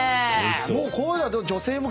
もうこういうのは。